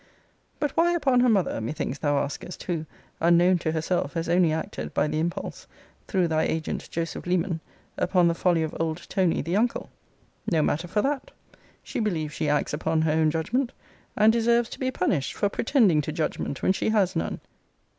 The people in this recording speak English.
But why upon her mother, methinks thou askest, who, unknown to herself, has only acted, by the impulse, through thy agent Joseph Leman, upon the folly of old Tony the uncle? No matter for that: she believes she acts upon her own judgment: and deserves to be punished for pretending to judgment, when she has none.